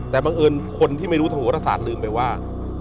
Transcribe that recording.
แต่บังเอิญคนที่ไม่รู้ทางโหรศาสตร์ลืมไปว่า